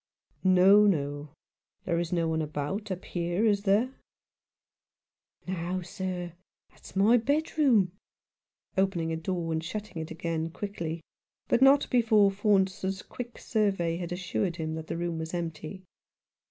" No, no ; there is no one about up here, is there ?"" No, sir. That's my bedroom "— opening a door and shutting it again quickly, but not before Faunce's quick survey had assured him that the room was empty.